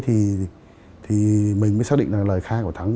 thì mình mới xác định là lời khai của thắng